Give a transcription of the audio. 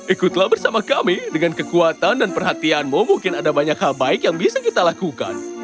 ikutlah bersama kami dengan kekuatan dan perhatianmu mungkin ada banyak hal baik yang bisa kita lakukan